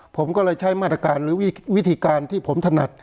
ผมก็เลยใช้มาตรการหรือวิธีการที่ผมถนัด